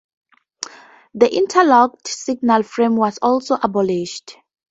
The interlocked signal frame was also abolished.